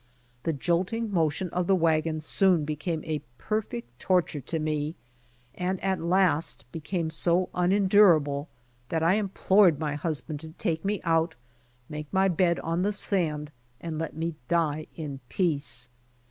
The jolting motion of the wagon soon became a per fect torture to me, and at last became so unendurable that I implored my husband to take me out, make my bed on the sand and let me die in peace.